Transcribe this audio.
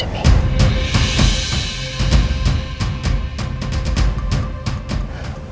jangan bercanda sama aku